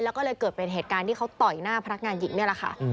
แล้วก็เลยเกิดเป็นเหตุการณ์ที่เขาต่อยหน้าพนักงานหญิงนี่แหละค่ะ